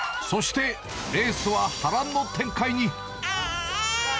そして、レースは波乱の展開に。